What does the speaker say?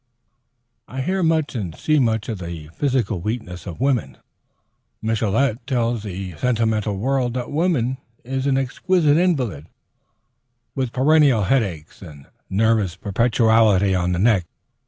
I hear much and see more of the physical weakness of woman. Michelet tells the sentimental world that woman is an exquisite invalid, with a perennial headache and nerves perpetually on the rack.